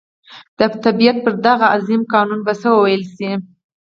د طبعیت پر دغه عظیم قانون به څه وویل شي.